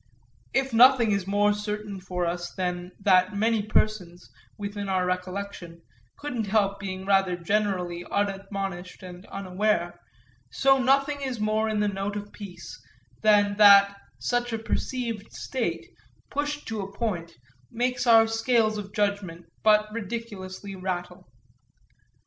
If nothing is more certain for us than that many persons, within our recollection, couldn't help being rather generally unadmonished and unaware, so nothing is more in the note of peace than that such a perceived state, pushed to a point, makes our scales of judgment but ridiculously rattle.